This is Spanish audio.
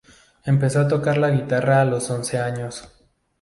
Empezó a tocar la guitarra a los once años.